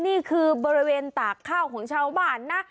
นี่คือบริเวณตากข้าวของชาวบ้านนะ